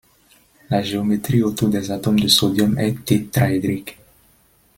La géométrie autour des atomes de sodium est tétraédrique.